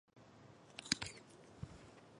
并将中东铁路卖给满洲国。